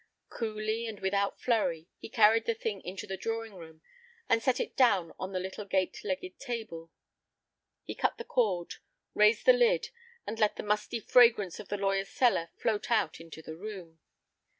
Coolly and without flurry he carried the thing into the drawing room and set it down on the little gate legged table. He cut the cord, raised the lid, and let the musty fragrance of the lawyer's cellar float out into the room.